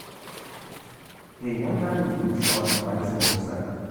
A young man in blue short rides a motorcycle.